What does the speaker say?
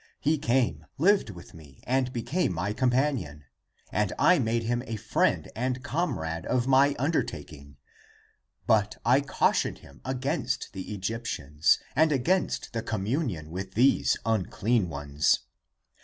^^ He came, lived with me and became my companion, And I made him a friend and comrade of my under taking. But I cautioned him against the Egyptians And against the communion with these unclean ones.